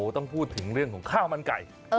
ต้องพูดถึงเรื่องของข้าวมันไก่